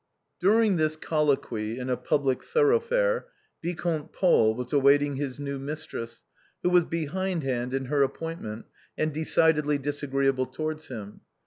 During this colloquy in a public thoroughfare. Vicomte Paul was awaiting his new mistress, who was behindhand in her appointment, and decidedly disagreeable towards him.